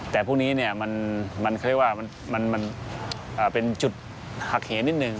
แต่พวกนี้มันเป็นจุดหักเหนียวนิดหนึ่ง